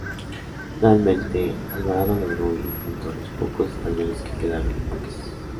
Finalmente, Alvarado logró huir junto a los pocos españoles que quedaron en buques.